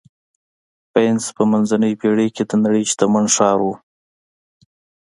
وینز په منځنۍ پېړۍ کې د نړۍ شتمن ښار و